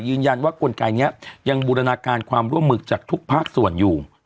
ยืนยันว่ากลไกนี้ยังบูรณาการความร่วมมือจากทุกภาคส่วนอยู่